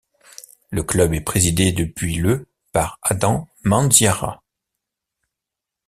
Le club est présidé depuis le par Adam Mandziara.